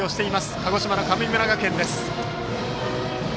鹿児島の神村学園です。